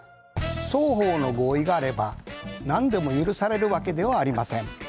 双方の合意があれば何でも許されるわけではありません。